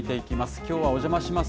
きょうはおじゃまします！